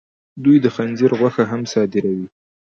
دوی د خنزیر غوښه هم صادروي.